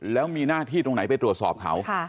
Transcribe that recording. แล้วมีหน้าที่ไปตรวจสอบเขา